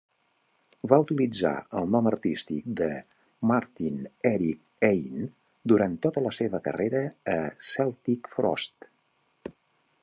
Va utilitzar el nom artístic de Martin Eric Ain durant tota la seva carrera a Celtic Frost.